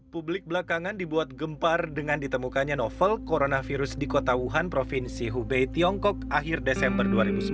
publik belakangan dibuat gempar dengan ditemukannya novel coronavirus di kota wuhan provinsi hubei tiongkok akhir desember dua ribu sembilan belas